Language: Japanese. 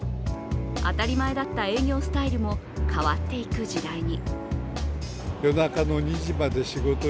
当たり前だった営業スタイルも変わっていく時代に。